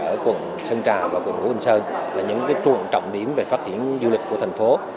ở quận sơn trà và quận hồ quỳnh sơn là những trụng trọng điểm về phát triển du lịch của thành phố